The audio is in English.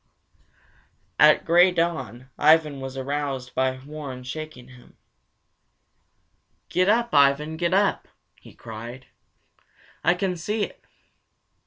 At gray dawn Ivan was aroused by Warren shaking him. "Get up, Ivan, get up!" he cried. "I can see it!"